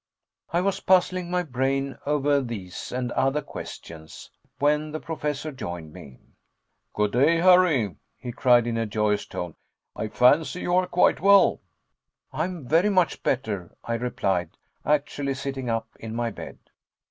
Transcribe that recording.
I was puzzling my brain over these and other questions, when the Professor joined me. "Good day, Harry," he cried in a joyous tone. "I fancy you are quite well." "I am very much better," I replied, actually sitting up in my bed.